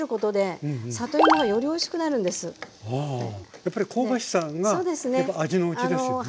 やっぱり香ばしさがやっぱ味のうちですよね。